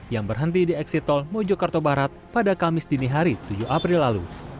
yang berhenti di eksit tol mojokerto barat pada kamis dini hari tujuh april lalu